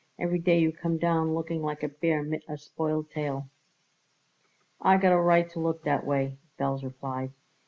"Every day you come down looking like a bear mit a spoiled tail." "I got a right to look that way," Belz replied.